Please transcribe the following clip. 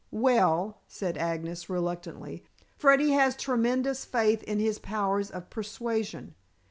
"Well," said Agnes reluctantly, "Freddy has tremendous faith in his powers of persuasion.